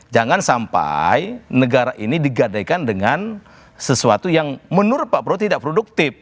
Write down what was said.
jangan sampai negara ini digadaikan dengan sesuatu yang menurut pak prabowo tidak produktif